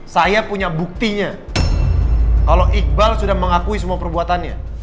saya punya buktinya kalau iqbal sudah mengakui semua perbuatannya